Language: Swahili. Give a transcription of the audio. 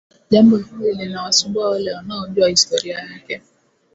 Jambo hili linawasumbua wale wanaojua historia yake